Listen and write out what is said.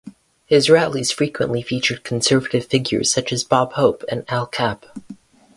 His rallies frequently featured conservative figures such as Bob Hope and Al Capp.